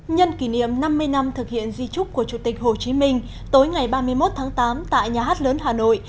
nhân kỷ niệm năm mươi năm thực hiện di trúc của chủ tịch hồ chí minh tối ngày ba mươi một tháng tám tại nhà hát lớn hà nội